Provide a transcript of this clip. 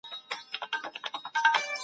د ایران اداره کول افغانانو لپاره دروند کار و.